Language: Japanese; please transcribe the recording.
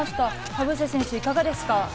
田臥選手いかがですか？